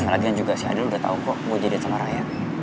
lagian juga si adel udah tau kok mau jadiin sama ryan